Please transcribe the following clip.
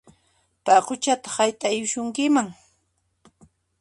Paquchataq hayt'ayusunkiman!